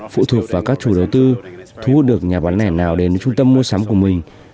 phụ thuộc vào các chủ đầu tư thu hút được nhà bán lẻ nào đến trung tâm mua sắm của mình